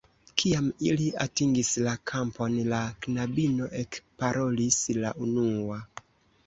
Kiam ili atingis la kampon, la knabino ekparolis la unua.